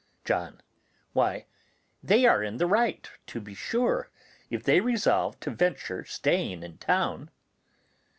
John. Why, they are in the right, to be sure, if they resolve to venture staying in town.